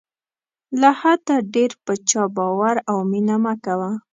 له حده ډېر په چا باور او مینه مه کوه.